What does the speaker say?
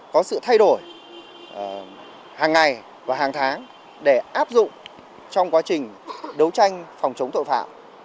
có sự thay đổi hàng ngày và hàng tháng để áp dụng trong quá trình đấu tranh phòng chống tội phạm